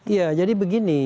iya jadi begini